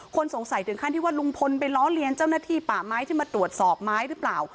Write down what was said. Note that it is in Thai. คนสงสัยถึงขั้นที่ว่าลุงพลไปล้อเลียนเจ้าหน้าที่ป่าไม้ที่มาตรวจสอบไม้หรือเปล่า